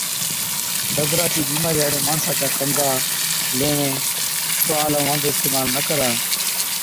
ڏَدرا چِي بِيمارِي هاڙي ماڻسا چا گنگا، ليوين، ٽروال ائُون هنڌ اِستعمال نہ ڪر۔